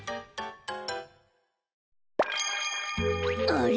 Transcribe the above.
あれ？